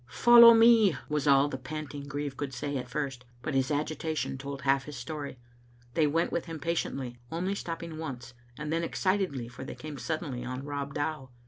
" Follow me," was all the panting grieve could say at first, but his agitation told half his story. They went with him patiently, only stopping once, and then ex citedly, for they come suddenly on Rob Dow.